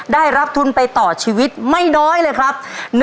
ได้รับทุนไปต่อชีวิตไม่น้อยเลยครับ